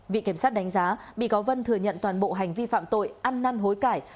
viện kiểm sát đánh giá bị cáo vân thừa nhận toàn bộ hành vi phạm tội ăn năn hối cải